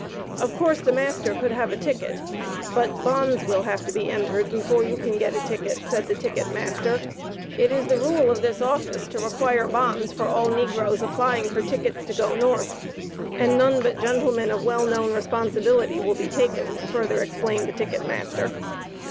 Of course the master could have a ticket, but "bonds will have to be entered before you can get a ticket," said the ticket master. "It is the rule of this office to require bonds for all negroes applying for tickets to go North, and none but gentlemen of well known responsibility will be taken," further explained the ticket master.